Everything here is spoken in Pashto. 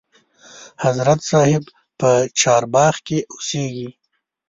حضرت صاحب په چارباغ کې اوسیږي.